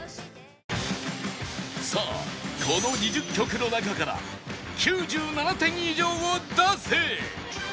さあこの２０曲の中から９７点以上を出せ！